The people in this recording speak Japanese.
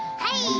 はい。